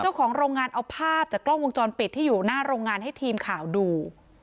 เจ้าของโรงงานเอาภาพจากกล้องวงจรปิดที่อยู่หน้าโรงงานให้ทีมข่าวดู